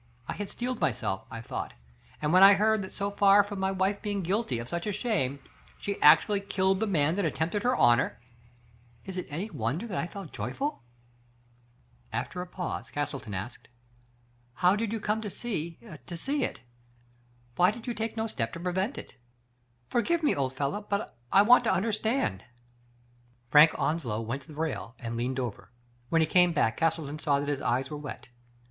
I had steeled myself, I thought, and when I heard that so far from my wife being guilty of such a shame, she actually killed the man that attempted her honor, is it any wonder that I felt joyful?" After a pause Castleton asked : Digitized by Google Il8 THE FATE OF FEN ELLA. " How did you come to see — to see it. Why did you take no step to prevent it ? Forgive me, old fellow, but I want to understand." Frank Onslow went to the rail, and leaned over. When he came back Castleton saw that his eyes were wet.